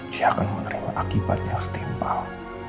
dia akan menerima akibat yang stempel